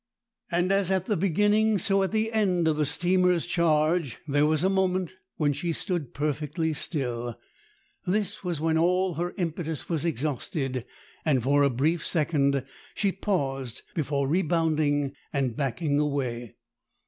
As at the beginning, so at the end of the steamer's charge, there was a moment when she stood perfectly still. This was when all her impetus was exhausted, and for a brief second she paused before rebounding and backing away.